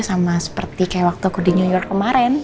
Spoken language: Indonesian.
sama seperti kayak waktu aku di nyunyur kemaren